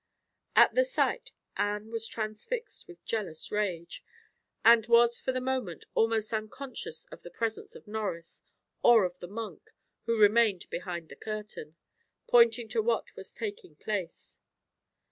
At the sight, Anne was transfixed with jealous rage, and was for the moment almost unconscious of the presence of Norris, or of the monk, who remained behind the curtain, pointing to what was taking place.